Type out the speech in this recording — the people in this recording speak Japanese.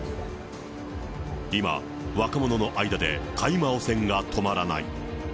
今、若者の間で大麻汚染が止まらない。